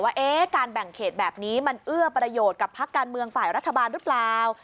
ว่าการแบ่งเขตแบบนี้มันเอื้อประโยชน์กับพักการเมืองฝ่ายรัฐบาลหรือเปล่า